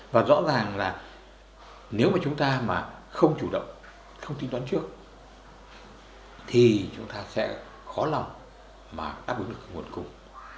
và rõ ràng là nếu chúng ta không chủ động không tính toán trước thì chúng ta sẽ khó lòng đáp ứng được nguồn cung